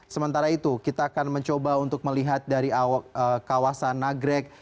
sementara itu kita akan mencoba untuk melihat dari kawasan nagrek